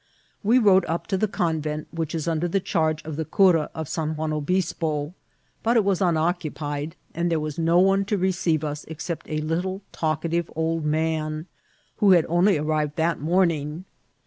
We rode up to the convent, which is under the charge of the cura of San Juan Obispo, but it was unoccupied, and there was no one to receive us except a little talkative old man, who had only ar rived that morning.